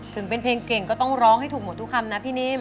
ถึงเป็นเพลงเก่งก็ต้องร้องให้ถูกหมดทุกคำนะพี่นิ่ม